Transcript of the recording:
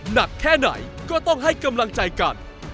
หนักแค่ไหนก็ต้องให้กำลังใจกัน